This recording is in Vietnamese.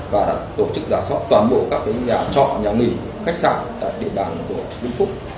và đã tổ chức giả soát toàn bộ các cái nhà trọ nhà nghỉ khách sạn tại địa đoàn của vinh phúc